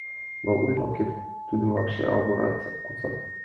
Но утлен ок керт, тудум вашке авурат, куцат.